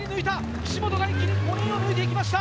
岸本が一気に５人を抜いていきました。